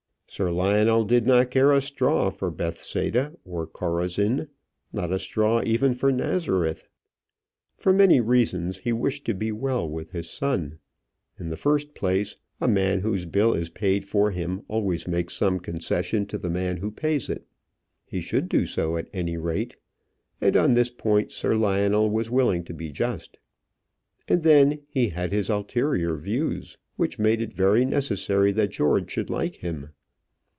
Sir Lionel did not care a straw for Bethsaida or Chorazin not a straw even for Nazareth. For many reasons he wished to be well with his son. In the first place, a man whose bill is paid for him always makes some concession to the man who pays it. He should do so, at any rate; and on this point Sir Lionel was willing to be just. And then he had ulterior views, which made it very necessary that George should like him.